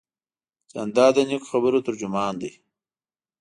جانداد د نیکو خبرو ترجمان دی.